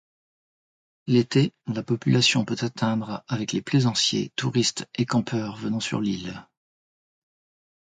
L’été, la population peut atteindre avec les plaisanciers, touristes et campeurs venant sur l’île.